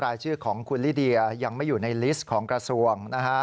รายชื่อของคุณลิเดียยังไม่อยู่ในลิสต์ของกระทรวงนะฮะ